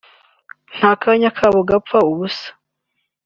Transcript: nta kanya kabo gapfa ubusa